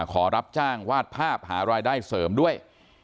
ขอรับจ้างวาดภาพหารายได้เสริมด้วย